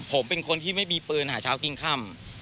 ผมเป็นคนที่ไม่มีปืนหาเช้ากินค่ำ